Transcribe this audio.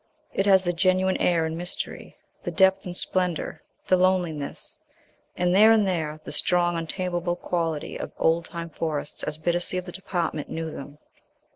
It has the genuine air and mystery, the depth and splendor, the loneliness, and there and there the strong, untamable quality of old time forests as Bittacy of the Department knew them.